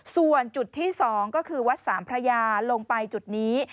ส่วนจุดที่๒ก็คือวัดสามพระยาลงไปจุดนี้